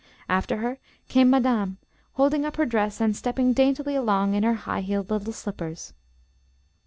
After her came madame, holding up her dress and stepping daintily along in her high heeled little slippers.